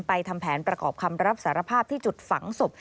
ทำแผนประกอบคำรับสารภาพที่จุดฝังศพ